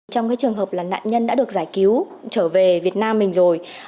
trong trường hợp nạn nhân đã được giải cứu trở về việt nam mình rồi